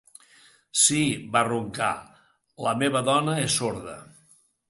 "Sí", va roncar, "la meva dona és sorda."